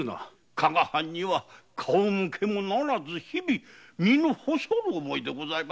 加賀藩には顔向けもならず日々身の細る思いでございます。